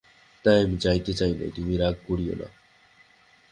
তাই আমি যাইতে চাই নাই, তুমি রাগ করিয়ো না।